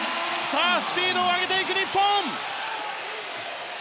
スピードを上げていく日本！